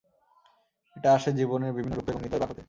এটা আসে জীবনের বিভিন্ন রুক্ষ এবং নির্দয় বাঁক হতে।